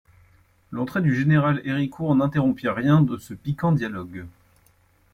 L'entrée du général Héricourt n'interrompit rien de ce piquant dialogue.